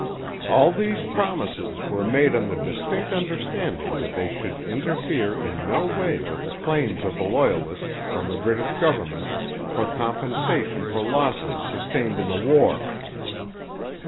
All these promises were made on the distinct understanding that they should interfere in no way with the claims of the Loyalists on the British government for compensation for losses sustained in the war.